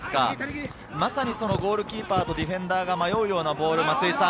まさにそのゴールキーパーとディフェンダーが迷うようなボール。